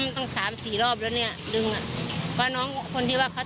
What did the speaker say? ตั้งสามสี่รอบแล้วเนี้ยดึงอ่ะเพราะน้องคนที่ว่าเขา